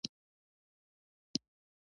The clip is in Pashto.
د مهالوېش له مخې انتقالېدل.